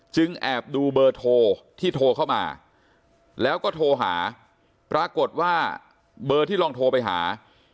แอบดูเบอร์โทรที่โทรเข้ามาแล้วก็โทรหาปรากฏว่าเบอร์ที่ลองโทรไปหา